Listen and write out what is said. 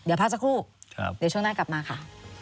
เดี๋ยวพักสักครู่เดี๋ยวช่วงหน้ากลับมาค่ะ